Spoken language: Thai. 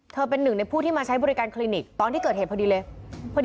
เป็นหนึ่งในผู้ที่มาใช้บริการคลินิกตอนที่เกิดเหตุพอดีเลย